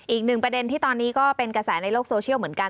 อีกหนึ่งประเด็นที่ตอนนี้ก็เป็นกระแสในโลกโซเชียลเหมือนกัน